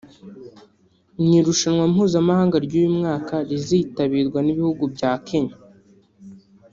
Mu irushanwa mpuzamahanga ry’uyu mwaka rizitabirwa n’ibihugu bya Kenya